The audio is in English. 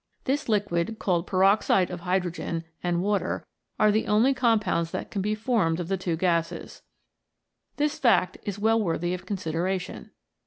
This liquid, called peroxide of hydro gen, and water, are the only compounds that can be 72 A LITTLE BIT. formed of the two gases. This fact is well worthy of consideration.